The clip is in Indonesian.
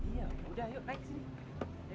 iya udah yuk naik sih